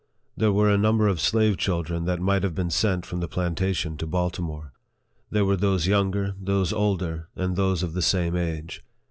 There were a number of slave children that might have been sent from the plantation to Baltimore. There were those younger, those older, and those of the same age.